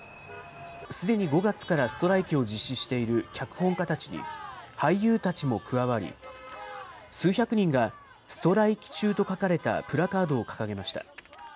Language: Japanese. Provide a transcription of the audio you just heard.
すでに５月からストライキを実施している脚本家たちに、俳優たちも加わり、数百人がストライキ中と書かれたプラカードを掲げました。